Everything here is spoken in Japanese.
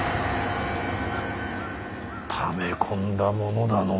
ため込んだものだのう。